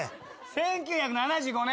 １９７５年。